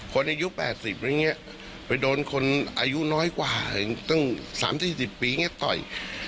คนปี๘๐นี้ไปโดนคนอายุน้อยกว่ายังต้อง๓๐๔๐ปีต่อย